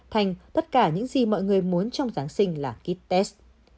thành tất cả những gì mọi người muốn trong giáng sinh là ký test